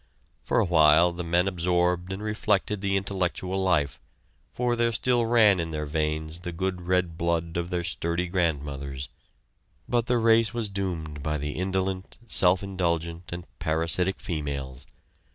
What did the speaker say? For a while the men absorbed and reflected the intellectual life, for there still ran in their veins the good red blood of their sturdy grandmothers. But the race was doomed by the indolent, self indulgent and parasitic females.